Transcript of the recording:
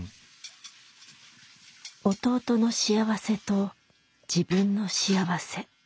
弟の幸せと自分の幸せ。